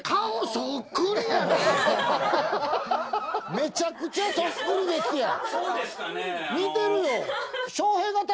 めちゃくちゃそっくりですやん。